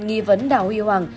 nghi vấn đào huy hoàng